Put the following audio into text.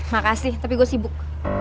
makasih tapi gue sibuk